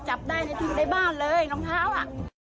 จับได้ในบ้านเลยรองเท้าอ่ะ